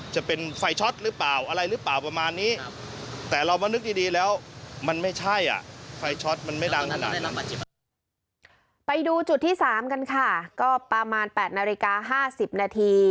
ก็ประมาณ๘นาฬิกา๕๐นาที